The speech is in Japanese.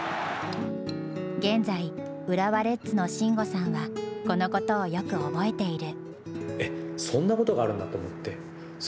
現在、浦和レッズの慎吾さんはこのことをよく覚えている。